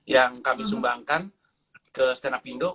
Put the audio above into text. yang kami sumbangkan ke stena pindo